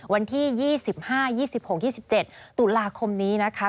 วันที่๒๕๒๖๒๗ตุลาคมนี้นะคะ